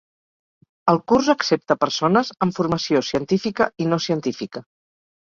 Els curs accepta persones amb formació científica i no científica.